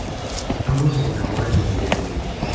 Ambos se enamoran inmediatamente.